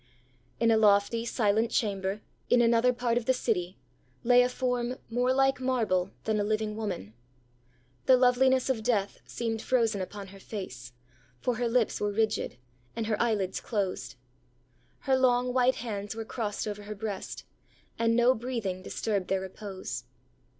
In a lofty, silent chamber, in another part of the city, lay a form more like marble than a living woman. The loveliness of death seemed frozen upon her face, for her lips were rigid, and her eyelids closed. Her long white hands were crossed over her breast, and no breathing disturbed their repose.